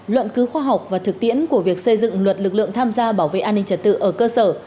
luận cứu khoa học và thực tiễn của việc xây dựng luật lực lượng tham gia bảo vệ an ninh trật tự ở cơ sở